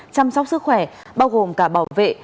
chăm sóc sức khỏe bao gồm cả bảo vệ